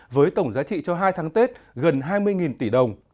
với tổng giá trị cho hai tháng tết gần hai mươi tỷ đồng